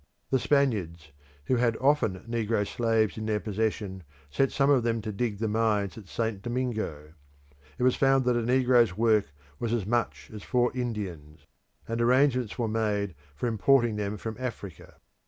The Spaniards, who had often negro slaves in their possession, set some of them to dig in the mines at St. Domingo: it was found that a negro's work was as much as four Indians', and arrangements were made for importing them from Africa.